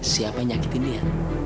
siapa yang nyakitin dia